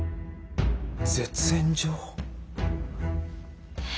絶縁状？